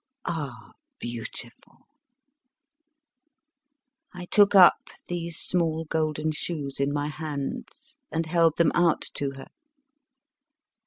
Ah, beautiful! I took up these small golden shoes in my hands and held them out to her.